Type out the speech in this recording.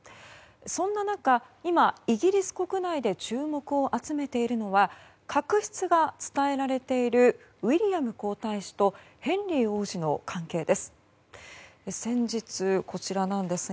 そんな中、今イギリス国内で注目を集めているのは確執が伝えられているウィリアム皇太子とヘンリー王子の関係です。